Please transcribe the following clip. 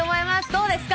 どうですか？